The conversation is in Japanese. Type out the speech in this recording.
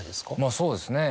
そうですね。